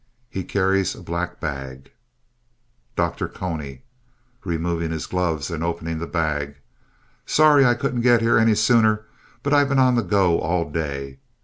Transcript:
He carries a black bag_.) DR. CONY (removing his gloves and opening the bag) Sorry I couldn't get here any sooner, but I've been on the go all day.